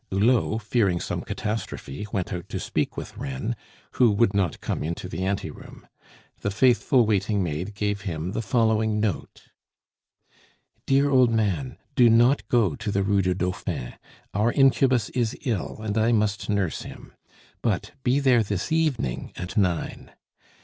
Hulot, fearing some catastrophe, went out to speak with Reine, who would not come into the anteroom. The faithful waiting maid gave him the following note: "DEAR OLD MAN, Do not go to the Rue du Dauphin. Our incubus is ill, and I must nurse him; but be there this evening at nine.